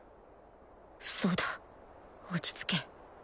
そうだ落ち着け